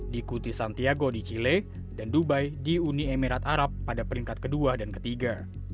diikuti santiago di chile dan dubai di uni emirat arab pada peringkat kedua dan ketiga